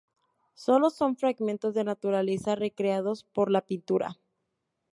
Sólo son fragmentos de naturaleza recreados por la pintura.